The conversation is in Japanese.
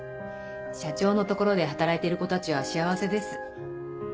社長のところで働いてる子たちは幸せです。